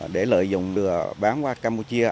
để lợi dụng được bán qua campuchia